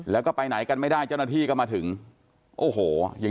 แล้วก็ไปไหนกันไม่ได้เจ้าหน้าที่ก็มาถึงโอ้โหยัง